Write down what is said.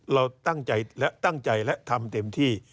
เราตั้งใจและทำเต็มที่